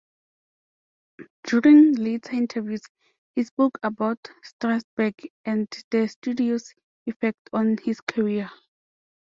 During later interviews he spoke about Strasberg and the Studio's effect on his career.